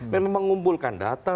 memang mengumpulkan data